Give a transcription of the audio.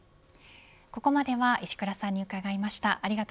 ここまでは石倉さんに伺いました。